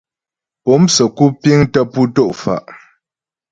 Po'o msə́ku piəŋ tə pú tɔ' mfa'.